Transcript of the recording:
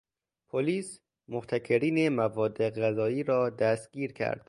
پلیس، محتکرین مواد غذایی را دستگیر کرد